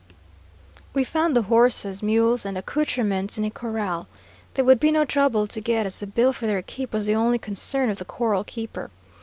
"We found the horses, mules, and accoutrements in a corral. They would be no trouble to get, as the bill for their keep was the only concern of the corral keeper.